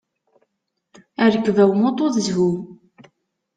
Rrekba n umuṭu d zzhu.